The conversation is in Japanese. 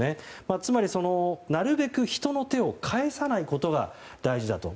つまり、なるべく人の手を介さないことが大事だと。